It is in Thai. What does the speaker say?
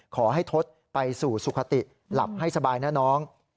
ขอให้ทดไปสู่สุขติหลับให้สบายนะน้อง